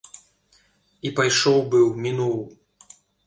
І пайшоў быў, мінуў.